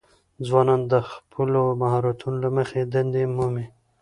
ځوانان د خپلو مهارتونو له مخې دندې مومي.